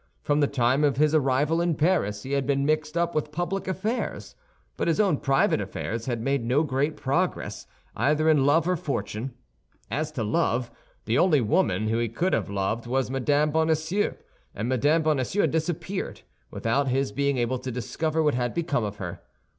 From the time of his arrival in Paris, he had been mixed up with public affairs; but his own private affairs had made no great progress, either in love or fortune. As to love, the only woman he could have loved was Mme. Bonacieux; and Mme. Bonacieux had disappeared, without his being able to discover what had become of her.